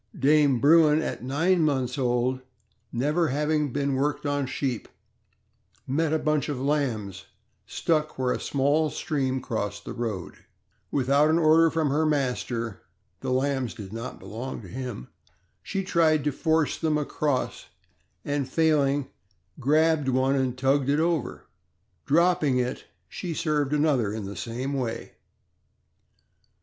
Dame Bruin at nine months old, never having been worked on sheep, met a bunch of lambs stuck where a small stream crossed the road; without an order from her master (the lambs did not belong to him), she tried to force them across, and failing, grabbed one and tugged it over. Dropping it, she served another the same way.